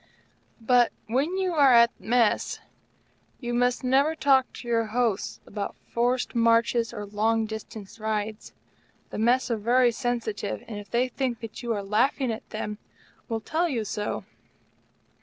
But, when you are at Mess, you must never talk to your hosts about forced marches or long distance rides. The Mess are very sensitive; and, if they think that you are laughing at them, will tell you so.